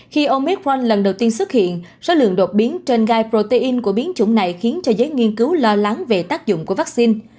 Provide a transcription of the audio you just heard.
khi omit frank lần đầu tiên xuất hiện số lượng đột biến trên gai protein của biến chủng này khiến cho giới nghiên cứu lo lắng về tác dụng của vaccine